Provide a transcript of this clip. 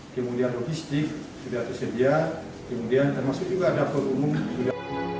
kemudian logistik sudah tersedia kemudian termasuk juga ada pengumuman